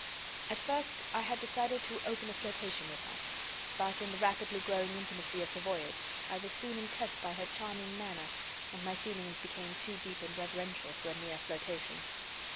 At first, I had decided to open a flirtation with her; but, in the rapidly growing intimacy of the voyage, I was soon impressed by her charming manner and my feelings became too deep and reverential for a mere flirtation.